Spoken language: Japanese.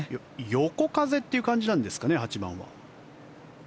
横風という感じなんですかね、８番は。